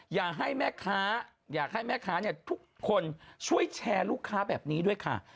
อยากให้แม่ค้าทุกคนช่วยแชร์ลูกค้าแบบนี้ด้วยค่ะ